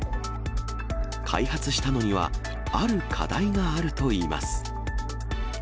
開発したのには、ある課題があるといいます。